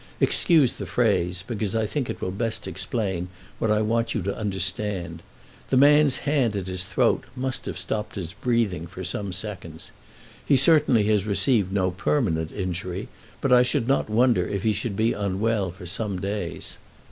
Excuse the phrase, because I think it will best explain what I want you to understand. The man's hand at his throat must have stopped his breathing for some seconds. He certainly has received no permanent injury, but I should not wonder if he should be unwell for some days.